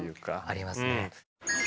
ありますね。